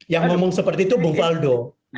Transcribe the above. yang ngomong seperti itu bu faldo